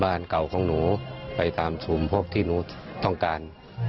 บ้านเก่าของหนูไปตามศูนย์พบที่หนูต้องการ